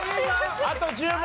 あと１０問。